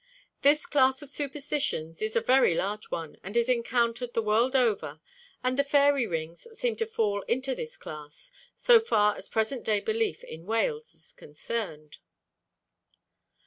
This class of superstitions is a very large one, and is encountered the world over; and the fairy rings seem to fall into this class, so far as present day belief in Wales is concerned.